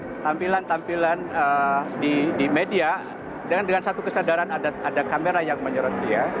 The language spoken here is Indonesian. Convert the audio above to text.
dan tampilan tampilan di media dengan satu kesadaran ada kamera yang menyerot dia